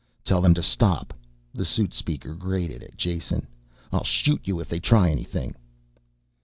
"Tell them to stop," the suit speaker grated at Jason. "I'll shoot you if they try anything."